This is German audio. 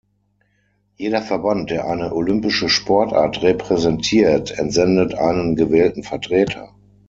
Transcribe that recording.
Jeder Verband, der eine olympische Sportart repräsentiert, entsendet einen gewählten Vertreter.